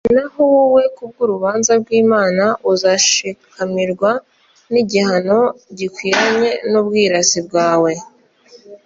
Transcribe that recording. naho wowe, ku bw'urubanza rw'imana uzashikamirwa n'igihano gikwiranye n'ubwirasi bwawe